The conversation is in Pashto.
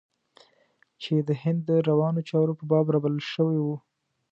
چې د هند د روانو چارو په باب رابلل شوی و.